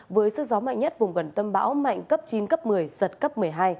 với sức gió mạnh nhất vùng gần tâm bão mạnh cấp chín cấp một mươi giật cấp một mươi hai